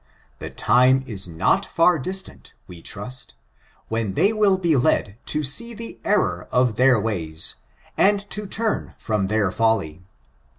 The time is not far distant, we trust, when they will be led to see the error of their ways, and to turn from their folly.